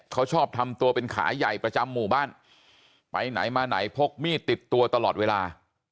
เขาชอบทำตัวเป็นขาใหญ่ประจำหมู่บ้านไปไหนมาไหนพกมีดติดตัวตลอดเวลา